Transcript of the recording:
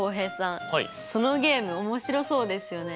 そのゲーム面白そうですよね。